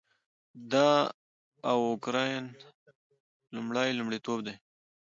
د اوکراین لومړی لومړیتوب دی